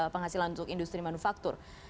penghasilan untuk industri manufaktur